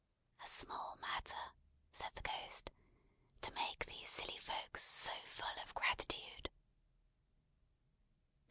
"A small matter," said the Ghost, "to make these silly folks so full of gratitude."